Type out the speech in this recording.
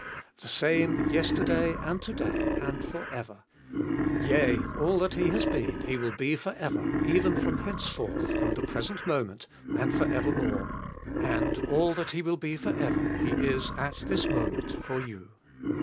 The same yesterday and to day, and for ever. Yea, all that He has been He will be for ever, even from henceforth, from the present moment, and for evermore. And all that He will be for ever He is at this moment for you.